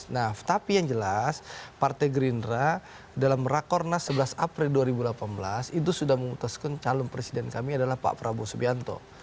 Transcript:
nah tapi yang jelas partai gerindra dalam rakornas sebelas april dua ribu delapan belas itu sudah memutuskan calon presiden kami adalah pak prabowo subianto